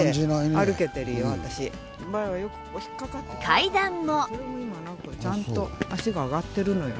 階段も